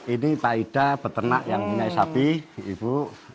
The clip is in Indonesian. ini pak ida peternak yang punya sapi ibu